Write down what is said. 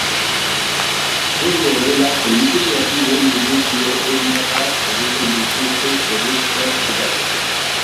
Hori horrela, printzipio aktiboen diluzio ehundarrak egiten dituzte produktua prestatzeko.